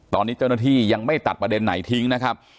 ตอนนี้เจ้าหน้าที่ยังไม่ตัดประเด็นไหนทิ้งนะครับ